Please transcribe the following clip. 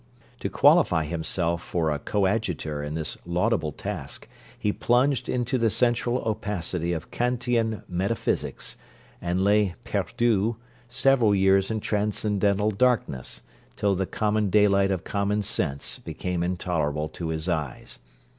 To qualify himself for a coadjutor in this laudable task, he plunged into the central opacity of Kantian metaphysics, and lay perdu several years in transcendental darkness, till the common daylight of common sense became intolerable to his eyes.